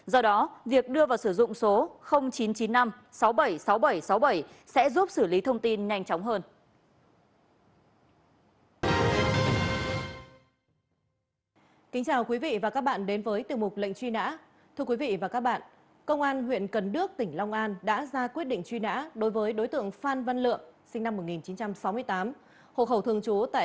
do đó việc đưa vào sử dụng số chín trăm chín mươi năm sáu mươi bảy sáu mươi bảy sáu mươi bảy sẽ giúp xử lý thông tin nhanh chóng hơn